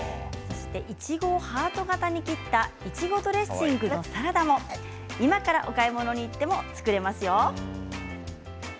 いちごをハート形に切ったいちごドレッシングのサラダも今から、お買い物に行っても作れますよ。